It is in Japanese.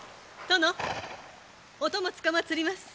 殿お供つかまつります！